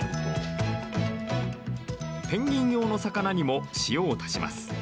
ペンギン用の魚にも塩を足します。